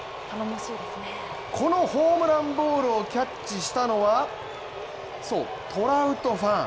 このホームランボールをキャッチしたのは、そう、トラウトファン。